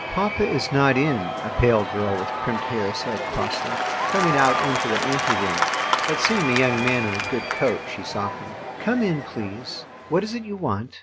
"Papa is not in," a pale girl with crimped hair said, crossly, coming out into the ante room, but, seeing a young man in a good coat, she softened. "Come in, please. ... What is it you want?"